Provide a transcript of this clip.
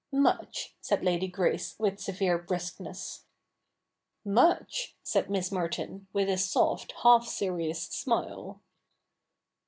' Much,' said Lady Grace, with severe briskness. ' Much,' said Miss Merton, with a soft, half serious smile.